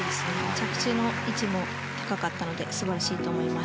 着地の位置も高かったので素晴らしいと思います。